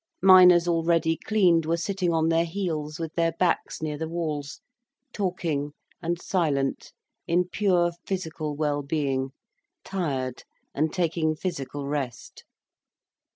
Miners already cleaned were sitting on their heels, with their backs near the walls, talking and silent in pure physical well being, tired, and taking physical rest.